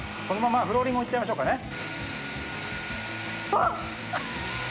このままフローリングもいっちゃいましょうかね。